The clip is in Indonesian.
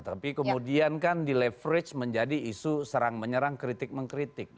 tapi kemudian kan di leverage menjadi isu serang menyerang kritik mengkritik